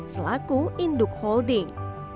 selaku induk holding